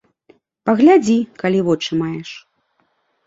Паглядзі, калі вочы маеш.